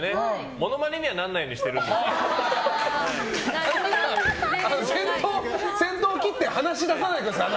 モノマネにはならないように先頭を切って話し出さないでください。